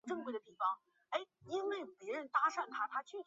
崇基学院校园位于香港新界大埔公路十一咪半东北之山谷。